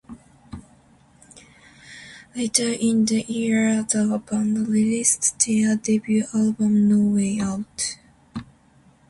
Later in the year, the band released their debut album, "No Way Out".